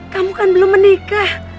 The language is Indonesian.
kamu kan belum menikah